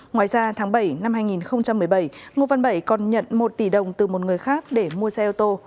ngoài ra tháng bảy năm hai nghìn một mươi bảy ngô văn bảy còn nhận một tỷ đồng từ một người khác để mua xe ô tô